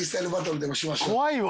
怖いわ！